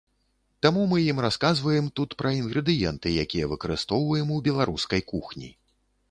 Таму мы ім расказваем тут пра інгрэдыенты, якія выкарыстоўваем у беларускай кухні.